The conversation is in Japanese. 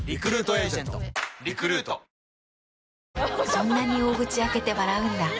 そんなに大口開けて笑うんだ。